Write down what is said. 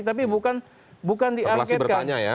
tapi bukan diangketkan